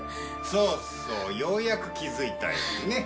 そうそうようやく気づいたようね。